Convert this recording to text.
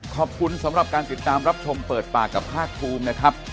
ขอบคุณสำหรับการติดตามรับชมเปิดปากกับภาคภูมินะครับ